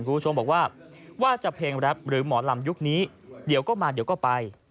คุณผู้ชมบอกว่าว่าจะเพลงแรปหรือหมอลำยุคนี้เดี๋ยวก็มาเดี๋ยวก็ไป